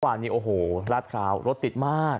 วันนี้ลาดคราวรถติดมาก